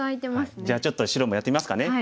じゃあちょっと白もやってみますかね。